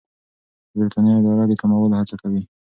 د بریتانیا اداره د کمولو هڅه کوي.